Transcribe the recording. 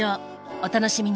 お楽しみに